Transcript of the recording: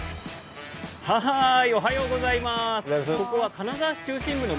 おはようございます。